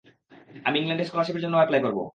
আমি ইংল্যান্ডে স্কলারশিপের জন্যও অ্যাপ্লাই করবো।